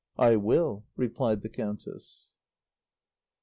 "I will," replied the countess.